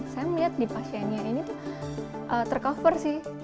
saya melihat di pasiennya ini tercover